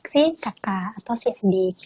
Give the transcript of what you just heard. si kakak atau si adik